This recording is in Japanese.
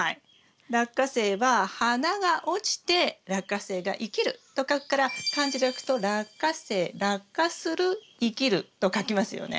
ラッカセイは「花が落ちてラッカセイが生きる」と書くから漢字で書くと「落花生」「落花する生きる」と書きますよね。